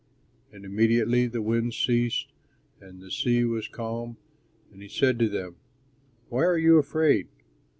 And immediately the wind ceased and the sea was calm; and he said to them, "Why are you afraid?